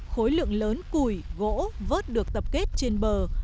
khối lượng lớn củi gỗ vớt được tập kết trên bờ